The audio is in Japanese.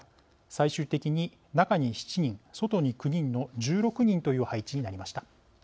最終的に中に７人、外に９人の１６人という配置になりました。